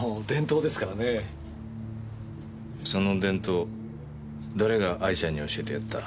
その伝統誰が愛ちゃんに教えてやった？